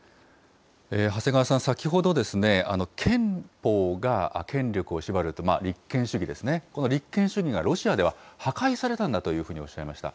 長谷川さん、先ほど憲法が権力を縛ると、立憲主義ですね、この立憲主義がロシアでは破壊されたんだというふうにおっしゃいました。